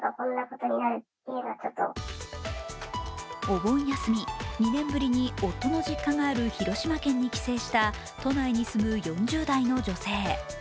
お盆休み、２年ぶりに夫の実家がある広島県に帰省した都内に住む４０代の女性。